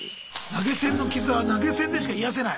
投げ銭の傷は投げ銭でしか癒やせない。